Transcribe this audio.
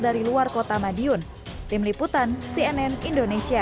dari luar kota madiun tim liputan cnn indonesia